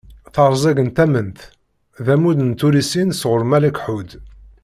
"Terẓeg n tament" d ammud n tullisin sɣur Malek Ḥud.